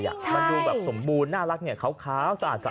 มันดูแบบสมบูรณน่ารักเนี่ยขาวสะอาดสะ